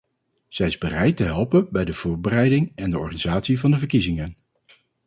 Zij is bereid te helpen bij de voorbereiding en de organisatie van de verkiezingen.